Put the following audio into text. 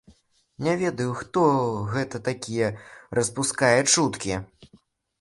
Не ведаю, хто гэта такія распускае чуткі.